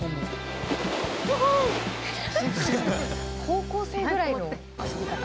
「高校生ぐらいの遊び方」